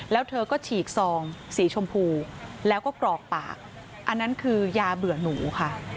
แล้วเธอก็ฉีกซองสีชมพูแล้วก็กรอกปากอันนั้นคือยาเบื่อหนูค่ะ